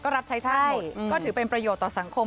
รับใช้ชาติหมดก็ถือเป็นประโยชน์ต่อสังคม